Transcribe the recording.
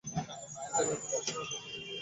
ওদের আগেই আমাদের সেখানে পৌঁছাতে হবে।